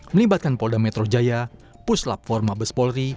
melibatkan polda metro jaya puslap forma bespolri